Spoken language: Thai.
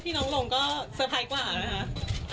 พี่น้องหลงก็สเตอร์ไพรกว่าเลยฮะ